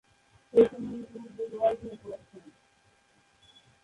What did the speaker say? সে সময়ে তিনি দুর্বল হয়ে পড়েছেন।